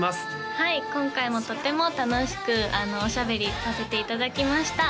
はい今回もとても楽しくおしゃべりさせていただきました